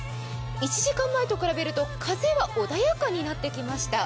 １時間前と比べると風は穏やかになってきました。